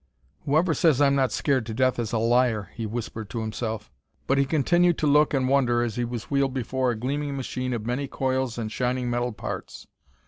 "Whoever says I'm not scared to death is a liar," he whispered to himself, but he continued to look and wonder as he was wheeled before a gleaming machine of many coils and shining, metal parts.